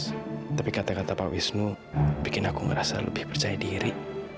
tapi kata kata pak wisnu bikin aku merasa lebih percaya diri